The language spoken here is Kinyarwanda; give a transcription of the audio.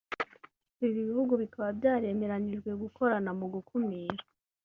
Ibi bihugu bikaba byaremeranyijwe gukorana mu gukumira